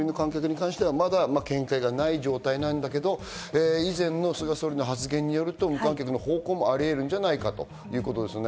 まだ見解がない状態なんだけど、以前の菅総理の発言によると、無観客の方向もありうるんじゃないかということですね。